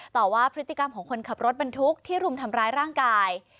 ต่อว่าพฤติกรรมของคนขับรถบรรทุกที่รุมทำร้ายร่างกาย